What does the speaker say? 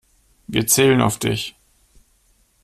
Wir zählen auf dich.